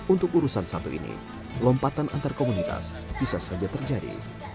untuk urusan satu ini lompatan antar komunitas bisa saja terjadi